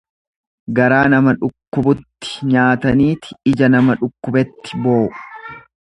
Garaa nama dhukkubutti nyaataniiti ija nama dhukkubetti boo'u.